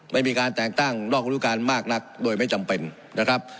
ไม่มีการแต่งตั้งนอกรูปการณ์มากนักโดยไม่จำเป็นนะครับ